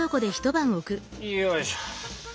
よいしょ。